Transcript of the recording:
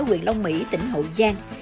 quyền long mỹ tỉnh hậu giang